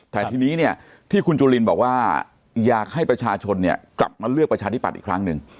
แต่ทีนี้เนี่ยที่คุณจุลินบอกว่าอยากให้ประชาชนเนี่ยกลับมาเลือกประชาธิปัตย์อีกครั้งหนึ่ง